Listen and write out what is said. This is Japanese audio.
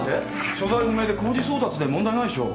所在不明で公示送達で問題ないでしょ？